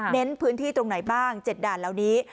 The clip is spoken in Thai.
พื้นที่ตรงไหนบ้าง๗ด่านเหล่านี้